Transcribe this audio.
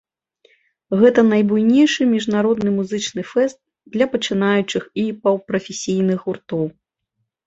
Гэта найбуйнейшы міжнародны музычны фэст для пачынаючых і паўпрафесійных гуртоў.